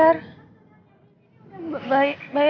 bayar beritanya ya